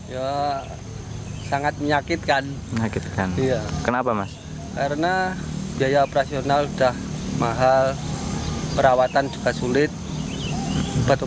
jika cuaca panas seperti ini hasilnya hanya sebaru